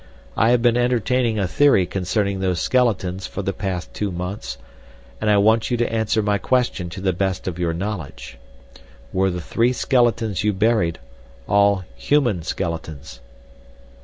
I have been entertaining a theory concerning those skeletons for the past two months, and I want you to answer my question to the best of your knowledge—were the three skeletons you buried all human skeletons?"